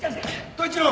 統一郎！